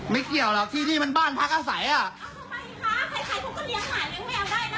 ไม่เกี่ยวเหรอที่ที่มันบ้านพักอาศัยอ่ะ